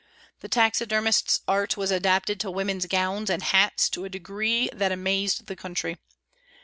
The taxidermist's art was adapted to women's gowns and hats to a degree that amazed the country.